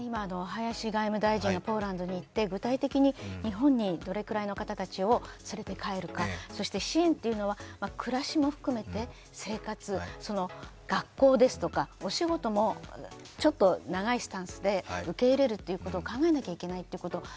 林外務大臣がポーランドに行って具体的に日本にどれぐらいの方たちを連れて帰るか、そして支援というのは、暮らしも含めて、生活、学校ですとか、お仕事もちょっと長いスタンスで受け入れるということを考えなきゃいけないということ